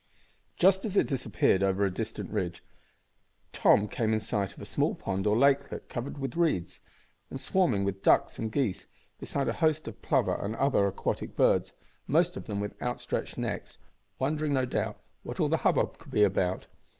Just as it disappeared over a distant ridge Tom came in sight of a small pond or lakelet covered with reeds, and swarming with ducks and geese, besides a host of plover and other aquatic birds most of them with outstretched necks, wondering no doubt what all the hubbub could be about.